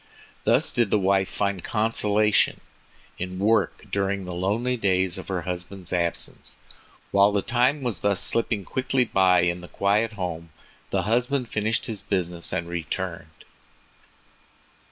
Thus did the wife find consolation in work during the lonely days of her husband's absence. While the time was thus slipping quickly by in the quiet home, the husband finished his business and returned.